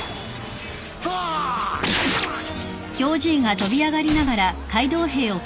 はあっ！